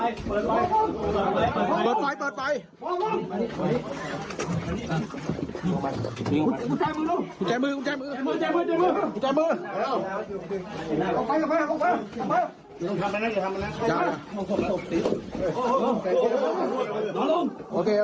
อย่างน้อยยกมือแล้ว